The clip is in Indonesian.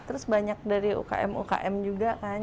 terus banyak dari ukm ukm juga kan